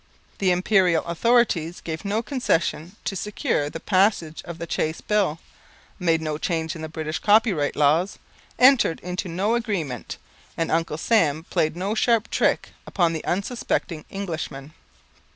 The Imperial authorities gave no concession to secure the passage of the Chace Bill, made no change in British Copyright Laws, entered into no agreement, and Uncle Sam played no sharp trick upon the unsuspecting Englishman.